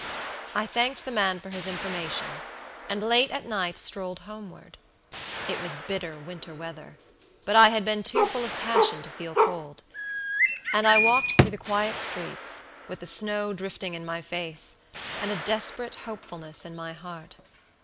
I thanked the man for his information, and late at night strolled homeward. It was bitter winter weather, but I had been too full of passion to feel cold, and I walked through the quiet streets, with the snow drifting in my face, and a desperate hopefulness in my heart.